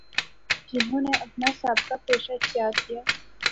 جنہوں نے اپنا سا بقہ پیشہ اختیارکیا